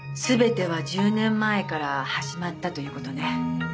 全ては１０年前から始まったという事ね。